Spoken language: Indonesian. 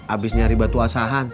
abis nyari batu asahan